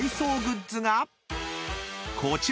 ［こちら！